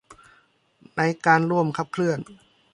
ในการร่วมขับเคลื่อน